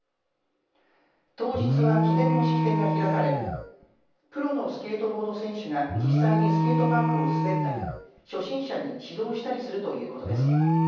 当日は記念の式典が開かれプロのスケートボード選手が実際にスケートパークを滑ったり初心者に指導したりするということです。